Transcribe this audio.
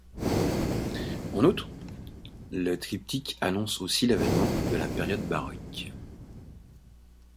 En outre, le triptyque annonce aussi l'avènement de la période baroque.